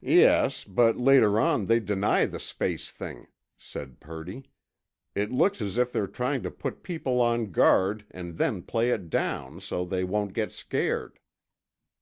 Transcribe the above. "Yes, but later on they deny the space thing," said Purdy. "It looks as if they're trying to put people on guard and then play it down, so they won't get scared."